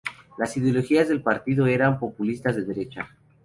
Las ideologías del partido eran populistas de derecha.